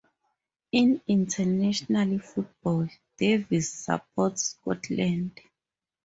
In international football Davies supports Scotland.